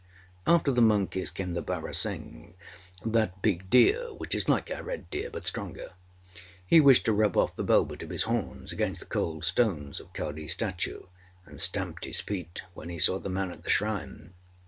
After the monkeys came the barasingh, that big deer which is like our red deer, but stronger. He wished to rub off the velvet of his horns against the cold stones of Kaliâs statue, and stamped his feet when he saw the man at the shrine.